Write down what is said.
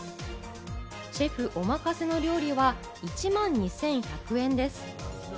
シェフおまかせの料理は１万２１００円です。